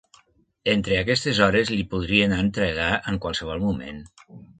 Entre aquestes hores li podrien entregar en qualsevol moment.